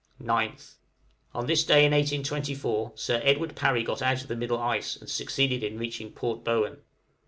9th. On this day, in 1824, Sir Edward Parry got out of the middle ice, and succeeded in reaching Port Bowen.